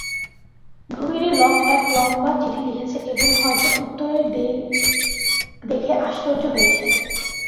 ভগিনী Lock এক লম্বা চিঠি লিখেছে এবং হয়তো উত্তরের দেরী দেখে আশ্চর্য হয়েছে।